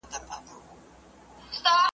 پت د خپل کهاله یې په صدف کي دی ساتلی `